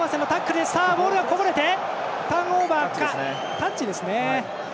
タッチですね。